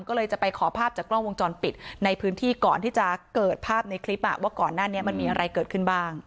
ก็เลยจะไปขอภาพจากกล้องวงจรปิดในพื้นที่ก่อนที่จะเกิดภาพในคลิปว่าก่อนหน้านี้มันมีอะไรเกิดขึ้นบ้าง